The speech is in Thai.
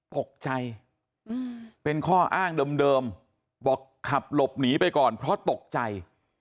ตกใจเป็นข้ออ้างเดิมบอกขับหลบหนีไปก่อนเพราะตกใจ